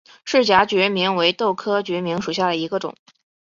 翅荚决明为豆科决明属下的一个种。